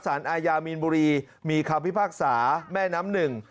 อายามีนบุรีมีคำพิพากษาแม่น้ำหนึ่ง